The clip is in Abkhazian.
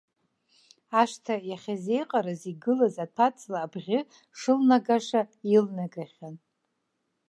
Ашҭа иахьазеиҟараз игылаз аҭәаҵла абӷьы шылнагаша илнагахьан.